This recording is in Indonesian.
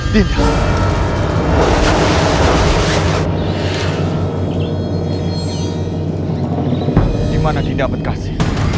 dimana tidak berganti